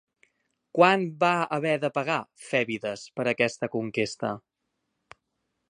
Quant va haver de pagar Fèbides per aquesta conquesta?